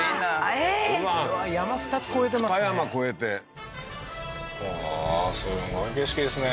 えー山２つ越えてますね